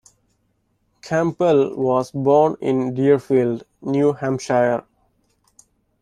Campbell was born in Deerfield, New Hampshire.